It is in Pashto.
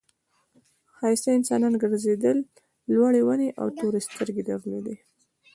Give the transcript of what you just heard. ښایسته انسانان گرځېدل لوړې ونې او تورې سترګې درلودې.